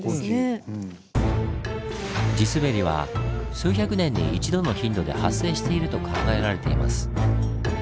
地滑りは数百年に一度の頻度で発生していると考えられています。